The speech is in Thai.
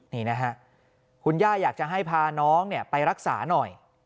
นี่นะฮะคุณย่าอยากจะให้พาน้องไปรักษาหน่อย